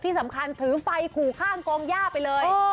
ที่สำคัญถือไฟขู่ข้างกองย่าไปเลย